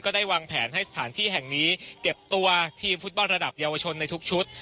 ได้วางแผนให้สถานที่แห่งนี้เก็บตัวทีมฟุตบอลระดับเยาวชนในทุกชุด